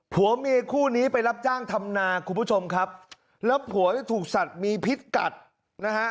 ผัวเมียคู่นี้ไปรับจ้างทำนาคุณผู้ชมครับแล้วผัวเนี่ยถูกสัตว์มีพิษกัดนะฮะ